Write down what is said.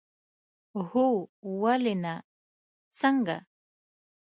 هو، ولې نه، څنګه؟